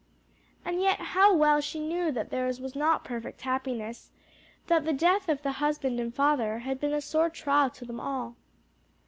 And yet how well she knew that theirs was not perfect happiness that the death of the husband and father had been a sore trial to them all.